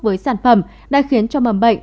với sản phẩm đã khiến cho mầm bệnh